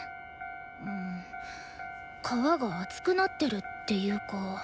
皮が厚くなってるっていうか。